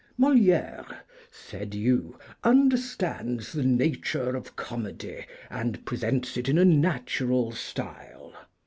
'Moliére,' said you, 'understands the nature of comedy, and presents it in a natural style.